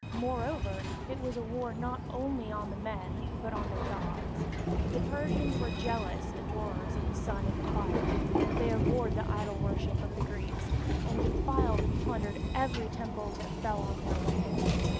Moreover, it was a war not only on the men but on their gods. The Persians were zealous adorers of the sun and the fire, they abhorred the idol worship of the Greeks, and defiled and plundered every temple that fell in their way.